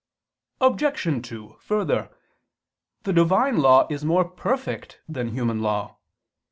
Obj. 2: Further, the Divine law is more perfect than human law.